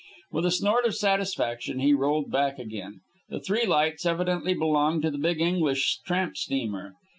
With a snort of satisfaction he rolled back again. The three lights evidently belonged to the big English tramp steamer.